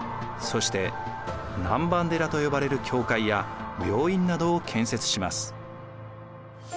そして南蛮寺と呼ばれる教会や病院などを建設します。